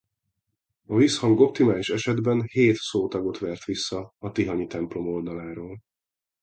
A visszhang optimális esetben hét szótagot vert vissza a tihanyi templom oldaláról.